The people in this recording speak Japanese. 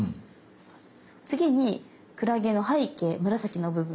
次にクラゲの背景紫の部分。